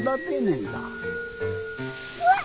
うわっ虫！